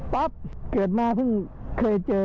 ป๊อบเกิดมาพึ่งเคยเจอ